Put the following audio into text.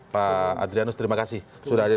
pak adrianus terima kasih sudah hadir